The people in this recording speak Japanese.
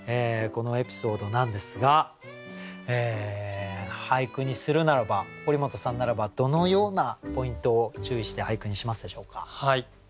このエピソードなんですが俳句にするならば堀本さんならばどのようなポイントを注意して俳句にしますでしょうか？